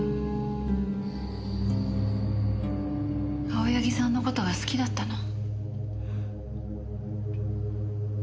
青柳さんの事が好きだったの？